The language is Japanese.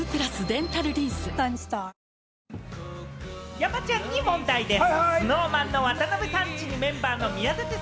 山ちゃんに問題です。